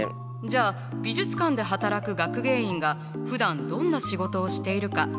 じゃあ美術館で働く学芸員がふだんどんな仕事をしているか知ってる？